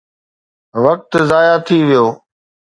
وقت ضايع ٿي ويو.